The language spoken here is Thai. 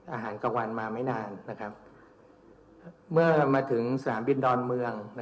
อาหารกลางวันมาไม่นานเมื่อมาถึงสนามบินดอนเมือง